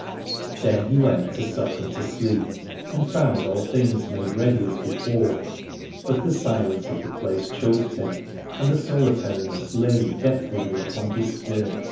Then he went to sup and to sleep, and found all things made ready as before, but the silence of the place choked him and the solitariness lay deathwardly upon his spirit.